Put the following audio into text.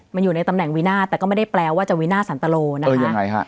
มันอยู่ในตำแหน่งวินาทแต่ก็ไม่ได้แปลว่าจะวินาทสันตโลนะคะยังไงฮะ